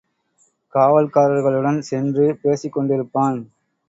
காவல்காரர்களுடன் சென்று பேசிக்கொண்டிருப்பான்.